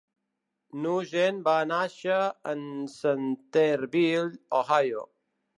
Nugent va nàixer en Centerville, Ohio.